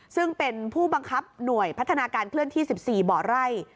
ซึ่งเป็นผู้บังคับหน่วยพัฒนาการเคลื่อนที่๑๔บ่อไร่